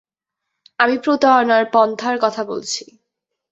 আমি প্রতারণার পন্থার কথা বলছি।